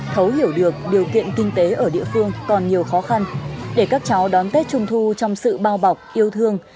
thấu hiểu được điều kiện kinh tế ở địa phương còn nhiều khó khăn để các cháu đón tết trung thu trong sự bao bọc yêu thương